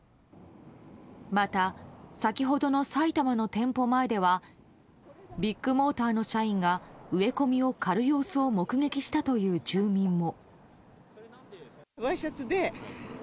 また、先ほどの埼玉の店舗前ではビッグモーターの社員が植え込みを刈る様子を目撃したという住民も。